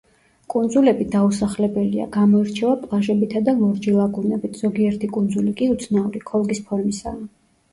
კუნძულები დაუსახლებელია; გამოირჩევა პლაჟებითა და ლურჯი ლაგუნებით, ზოგიერთი კუნძული კი უცნაური, ქოლგის ფორმისაა.